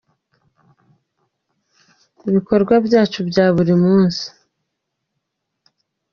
ibikorwa byacu bya buri munsi.